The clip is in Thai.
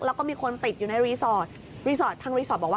แล้วเข้าห้องแล้ว